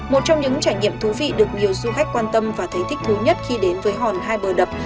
một trong những trải nghiệm thú vị được nhiều du khách quan tâm và thấy thích thú nhất khi đến với hòn hai bờ đập